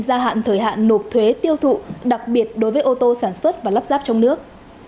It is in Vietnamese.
gia hạn thời hạn nộp thuế tiêu thụ đặc biệt đối với ô tô sản xuất và lắp ráp trong nước